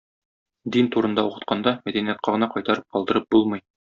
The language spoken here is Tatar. Дин турында укытканда мәдәниятка гына кайтарып калдырып булмый.